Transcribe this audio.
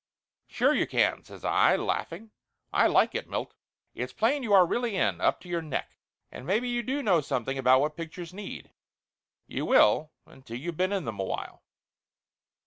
"Sure you can !" says I, laughing. "I like it, Milt. It's plain you are really in up to your neck. And 276 Laughter Limited maybe you do know something about what pictures need. You will, until you've been in them a while."